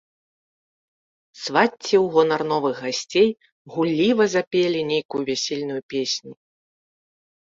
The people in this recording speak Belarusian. Свацці ў гонар новых гасцей гулліва запелі нейкую вясельную песню.